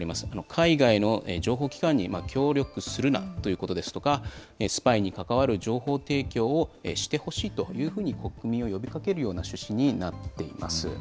海外の情報機関に協力するなということですとか、スパイに関わる情報提供をしてほしいというふうに国民を呼びかけるような趣旨になっています。